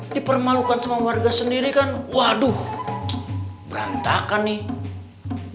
dipermalukan sama warga sendiri kan waduh berantakan nih